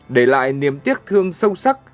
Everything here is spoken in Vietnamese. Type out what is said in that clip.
để lại niềm tiếc thương sâu sắc